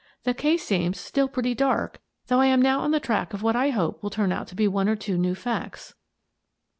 The case seems still pretty dark, though I am now on the track of what I hope will turn out to be one or two new facts."